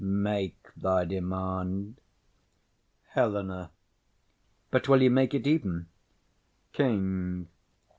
Make thy demand. HELENA. But will you make it even? KING.